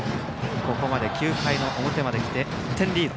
ここまで９回の表まで来て１点リード。